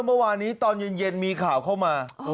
เมื่อวานนี้ตอนเย็นมีข่าวเข้ามา